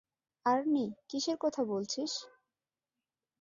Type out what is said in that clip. আর্নি, কিসের কথা বলছিস?